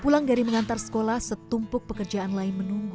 pulang dari mengantar sekolah setumpuk pekerjaan lain menunggu